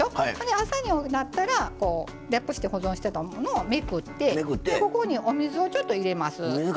朝になったらラップして保存してたものをめくってここにお水をちょっと入れます。